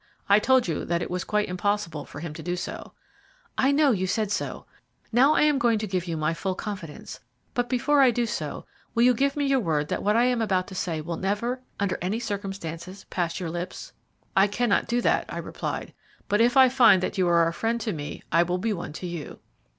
"I told you that it was quite impossible for him to do so." "I know you said so. Now I am going to give you my full confidence; but before I do so will you give me your word that what I am about to say will never, under any circumstances, pass your lips?" "I cannot do that," I replied, "but if I find that you are a friend to me, I will be one to you."